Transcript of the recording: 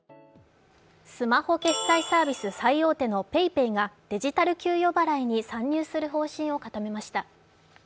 スマホ決済サービス最大手のＰａｙＰａｙがデジタル給与払いに参入する方針を固めました。